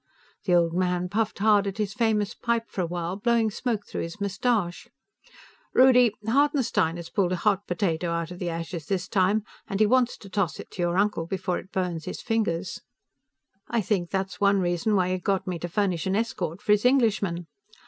The old man puffed hard at his famous pipe for a while, blowing smoke through his mustache. "Rudi, Hartenstein has pulled a hot potato out of the ashes, this time, and he wants to toss it to your uncle, before he burns his fingers. I think that's one reason why he got me to furnish an escort for his Englishman.